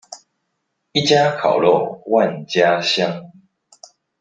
一家烤肉萬家香